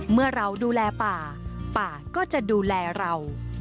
เมื่อเราดูแลป่าป่าก็จะดูแลเรา